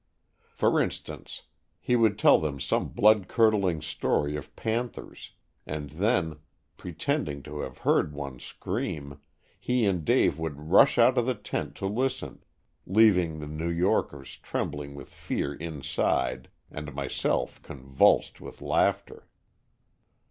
For instance, he would tell them some 43 Stories from the Adirondack^. bloodcurdling story of panthers, and then pretending to have heard one scream, he and Dave would rush out of the tent to listen, leaving the New Yorkers trembling with fear inside and myself convulsed with laughter.